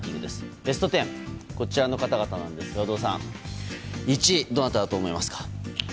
ベスト１０、こちらの方々ですが有働さん１位、どなただと思いますか？